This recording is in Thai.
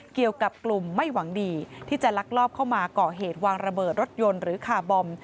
เกี่ยวกับกลุ่มไม่หวังดีที่จะลักลอบเข้ามาก่อเหตุวางระเบิดรถยนต์หรือคาร์บอม